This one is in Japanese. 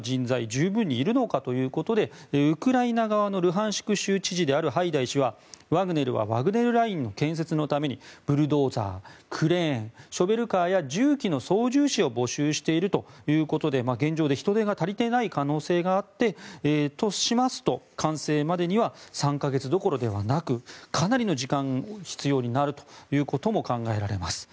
十分にいるのかということでウクライナ側のルハンシク州知事であるハイダイ氏はワグネルはワグネルラインの建設のために、ブルドーザークレーン、ショベルカーや重機の操縦士を募集しているということで現状で人手が足りてない可能性があるとしますと完成までには３か月どころではなくかなりの時間が必要になると考えられます。